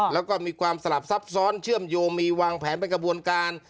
แล้วก็มีความสลับซับซ้อนเชื่อมโยงมีวางแผนเป็นกระบวนการ